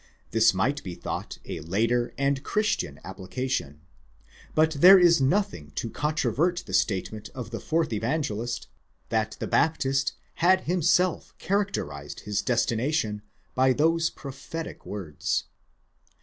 This might be thought a later and Christian application, but there is nothing to controvert the statement of the fourth Evangelist, that the Baptist had himself character ized his destination by those prophetic words.